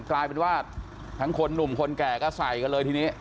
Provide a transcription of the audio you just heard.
กลายเป็นว่าทั้งคนหนุ่มคนแก่ก็ใส่กันเลยทีนี้